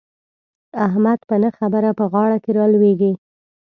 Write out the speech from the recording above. احمد په نه خبره په غاړه کې را لوېږي.